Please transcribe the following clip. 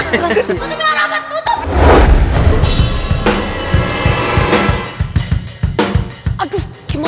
tutup ya rapat tutup